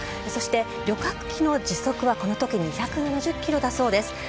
そして、旅客機の時速はこのとき２７０キロだそうです。